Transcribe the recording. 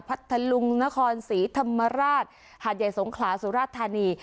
พัทธลุงนครศรีธรรมราชหาดใหญ่สงขลาสุราชธานี